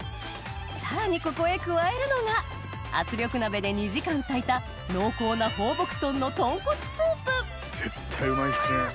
さらにここへ加えるのが圧力鍋で２時間炊いた濃厚な絶対うまいっすね。